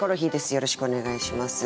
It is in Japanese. よろしくお願いします。